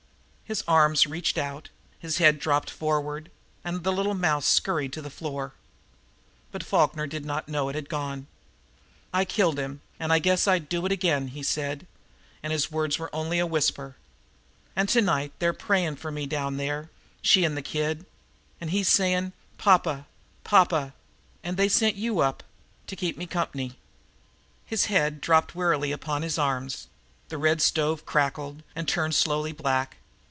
His arms reached out; his head dropped forward, and the little mouse scurried to the floor. But Falkner did not know that it had gone. "I killed him, an' I guess I'd do it again," he said, and his words were only a whisper. "An' to night they're prayin' for me down there she 'n the kid an' he's sayin', 'Pa pa Pa pa'; an' they sent you up to keep me comp'ny " His head dropped wearily upon his arms. The red stove crackled, and turned slowly black.